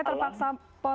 jadi itu harus setara